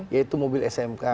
yaitu mobil smk